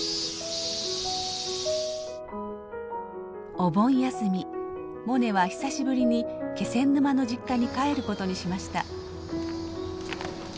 お盆休みモネは久しぶりに気仙沼の実家に帰ることにしました。